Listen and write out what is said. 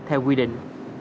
theo quy định